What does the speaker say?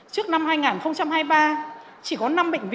trước năm hai nghìn hai mươi ba